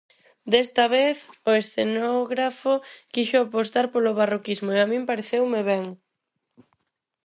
Desta vez o escenógrafo quixo apostar polo barroquismo e a min pareceume ben.